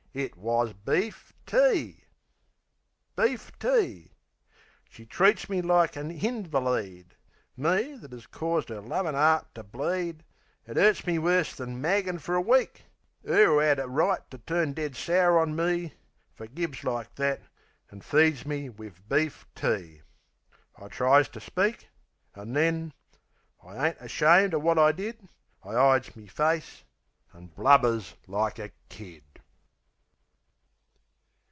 It WAS BEEF TEA! Beef tea! She treats me like a hinvaleed! Me! that 'as caused 'er lovin' 'eart to bleed. It 'urts me worse than maggin' fer a week! 'Er! 'oo 'ad right to turn dead sour on me, Fergives like that, an' feeds me wiv beef tea... I tries to speak; An' then I ain't ashamed o' wot I did I 'ides me face...an' blubbers like a kid.